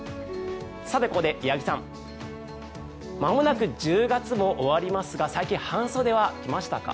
ここで八木さんまもなく１０月も終わりますが最近、半袖は着ましたか？